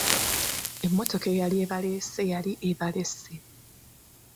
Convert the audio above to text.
Emmotoka eyali ebaleese yali ebalesse.